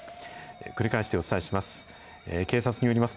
繰り返してお伝えします。